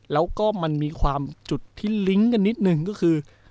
แล้วก็มันมีความจุดที่ลิงก์กันนิดนึงก็คือ